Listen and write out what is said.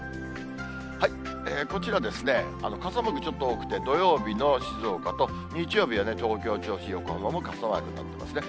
こちら、傘マーク、ちょっと多くて、土曜日の静岡と、日曜日は東京、銚子、横浜も傘マークになってますね。